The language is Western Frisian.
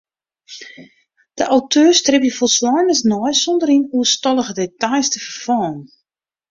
De auteurs stribje folsleinens nei sûnder yn oerstallige details te ferfallen.